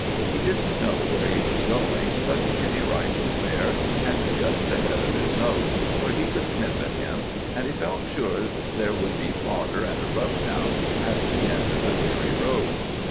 He didn't know where he was going, but Jimmy Wright was there, and just ahead of his nose, where he could sniff at him; and he felt sure there would be fodder and a rub down at the end of the weary road.